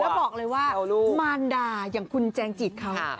แล้วบอกเลยว่ามารดาอย่างคุณแจงจิตเขา